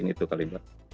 ini itu kali ber